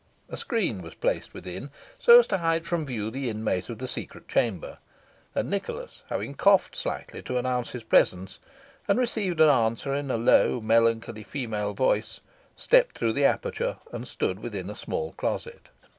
A screen was placed within, so as to hide from view the inmate of the secret chamber, and Nicholas, having coughed slightly, to announce his presence, and received an answer in a low, melancholy female voice, stepped through the aperture, and stood within a small closet.